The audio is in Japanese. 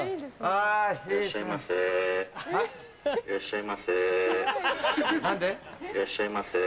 いらっしゃいませ。